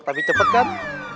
tapi cepet kan